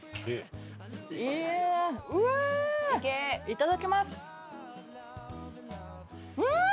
いただきます！